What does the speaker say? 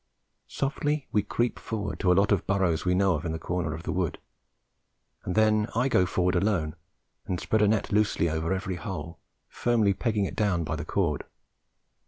Softly we creep forward to a lot of burrows we know of in the corner of the wood, and then I go forward alone and spread a net loosely over every hole, firmly pegging it down by the cord.